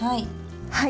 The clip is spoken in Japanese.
はい。